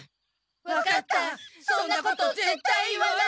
わかったそんなことぜったい言わない。